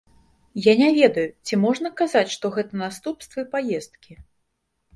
Я не ведаю, ці можна казаць, што гэта наступствы паездкі?